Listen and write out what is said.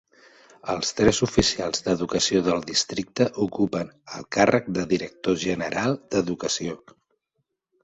Els tres oficials d'educació del districte ocupen el càrrec de director general d'educació.